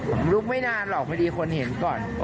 มันลุกไม่นานหรอกไม่ได้คนเห็นก่อน